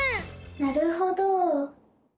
なるほど！